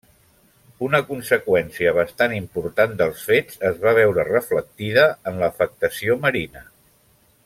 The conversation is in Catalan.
Una conseqüència bastant important dels fets, es va veure reflectida en l'afectació marina.